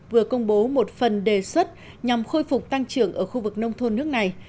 vừa công bố một phần đề xuất nhằm khôi phục tăng trưởng ở khu vực nông thôn nước này